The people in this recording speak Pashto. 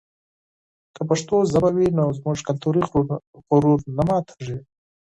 که پښتو ژبه وي نو زموږ کلتوري غرور نه ماتېږي.